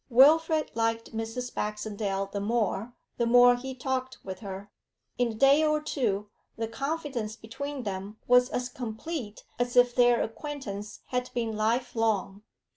Wilfrid liked Mrs. Baxendale the more, the more he talked with her; in a day or two the confidence between them was as complete as if their acquaintance had been life long.